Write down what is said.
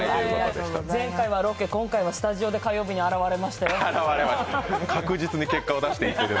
前回はロケ、今回はスタジオで火曜日に現れまして。